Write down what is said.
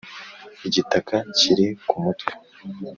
igitaka kiri ku mutwe.